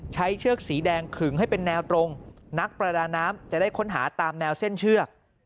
เชือกสีแดงขึงให้เป็นแนวตรงนักประดาน้ำจะได้ค้นหาตามแนวเส้นเชือก